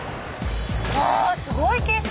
うわすごい景色。